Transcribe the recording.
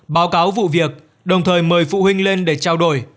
báo cáo vụ việc đồng thời mời phụ huynh lên để trao đổi